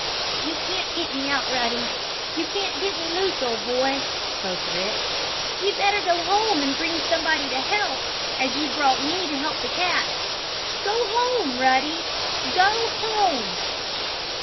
"You can't get me out, Ruddy! You can't get me loose, old boy!" spoke Rick. "You'd better go home and bring somebody to help, as you brought me to help the cat! Go home, Ruddy! Go home!"